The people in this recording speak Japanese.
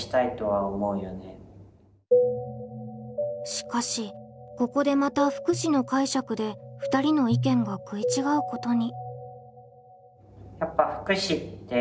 しかしここでまた「福祉」の解釈で２人の意見が食い違うことに。